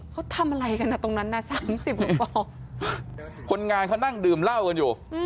เขาทำอะไรกันนะตรงนั้นนะ๓๐กว่าปลอกคนงานเขานั่งดื่มเหล้ากันอยู่